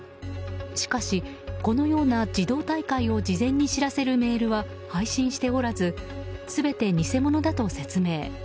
しかし、このような自動退会を事前に知らせるメールは配信しておらず全て偽物だと説明。